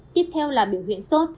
tiếp theo là biểu hiện xuất